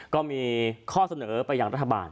ก็มีข้อเสนอไปอย่างรัฐบาล